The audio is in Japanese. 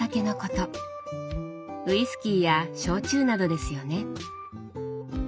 ウイスキーや焼酎などですよね。